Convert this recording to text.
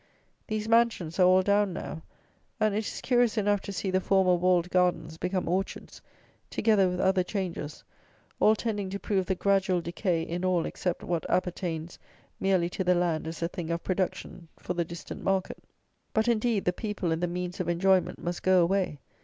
These mansions are all down now; and it is curious enough to see the former walled gardens become orchards, together with other changes, all tending to prove the gradual decay in all except what appertains merely to the land as a thing of production for the distant market. But, indeed, the people and the means of enjoyment must go away.